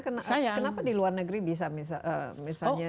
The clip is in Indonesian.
kenapa di luar negeri bisa misalnya